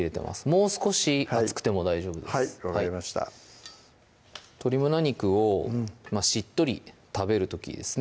もう少し厚くても大丈夫ですはい分かりました鶏胸肉をしっとり食べる時ですね